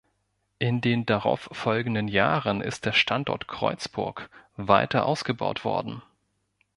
In den darauf folgenden Jahren ist der Standort Creuzburg weiter ausgebaut worden.